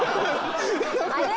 あれ？